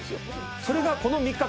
それがこの３日間。